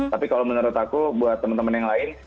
tapi kalau menurut aku buat temen temen yang lain